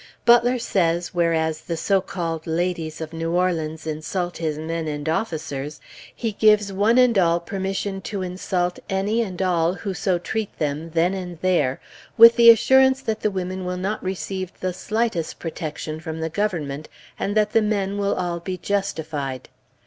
Butler says, whereas the so called ladies of New Orleans insult his men and officers, he gives one and all permission to insult any or all who so treat them, then and there, with the assurance that the women will not receive the slightest protection from the Government, and that the men will all be justified.